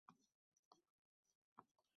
Yillar oʻtib borsa-da, hamon